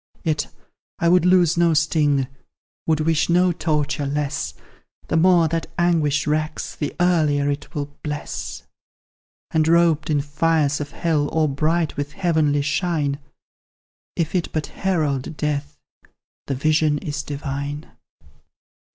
"Yet I would lose no sting, would wish no torture less; The more that anguish racks, the earlier it will bless; And robed in fires of hell, or bright with heavenly shine, If it but herald death, the vision is divine!"